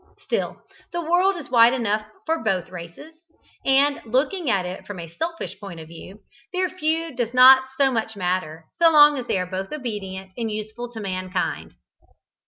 Still, the world is wide enough for both races; and, looking at it from a selfish point of view, their feud does not so much matter, so long as they are both obedient and useful to mankind.